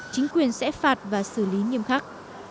chính quyền sẽ phạt và xử lý nghiêm khắc